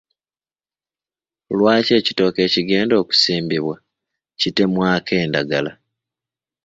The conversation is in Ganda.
Lwaki ekitooke ekigenda okusimbibwa kitemwako endagala?